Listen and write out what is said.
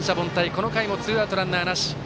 この回もツーアウト、ランナーなし。